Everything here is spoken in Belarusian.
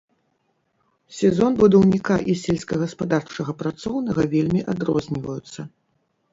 Сезон будаўніка і сельскагаспадарчага працоўнага вельмі адрозніваюцца.